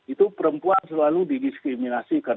itu perempuan selalu didiskriminasikan